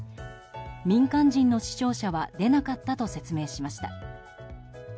民間人の死傷者は出なかったと説明しました。